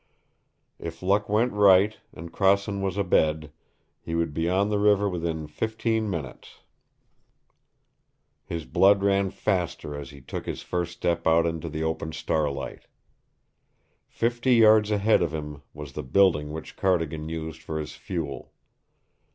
If luck went right, and Crossen was abed, he would be on the river within fifteen minutes. His blood ran faster as he took his first step out into the open starlight. Fifty yards ahead of him was the building which Cardigan used for his fuel.